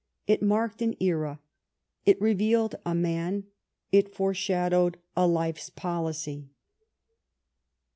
It marked an era; it revealed a man; it foreshadowed a life's policy.